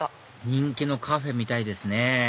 人気のカフェみたいですね